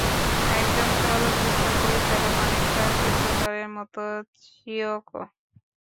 একজন চলচ্চিত্র পরিচালক অনেকটা চিত্রকরের মতো, চিয়োকো।